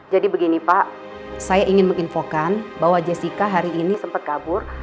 jadi begini pak saya ingin menginfokan bahwa jessica hari ini sempat kabur